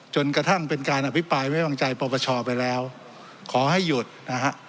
จนกระทั่งเป็นการอภิปรายไว้วางใจปรปชไปแล้วขอให้หยุดนะฮะ